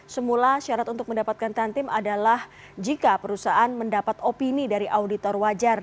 semula syarat untuk mendapatkan tantim adalah jika perusahaan mendapat opini dari auditor wajar